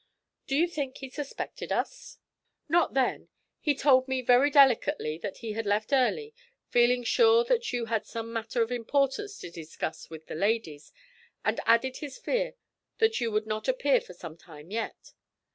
'Do you think he suspected us?' 'Not then. He told me very delicately that he had left early, feeling sure that you had some matter of importance to discuss with the ladies, and added his fear that you would not appear for some time yet.